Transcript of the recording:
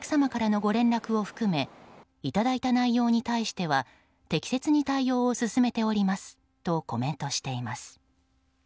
退職者の方やお客様からのご連絡を含めいただいた内容に対しては適切に対応を進めておりますとコメントしています。